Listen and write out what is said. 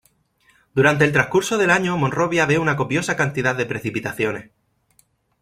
Durante el transcurso del año Monrovia ve una copiosa cantidad de precipitaciones.